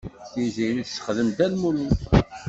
Tiziri tessexdem Dda Lmulud.